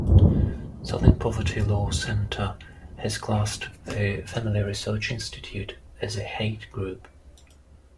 Southern Poverty Law Center has classed the Family Research Institute as a hate group.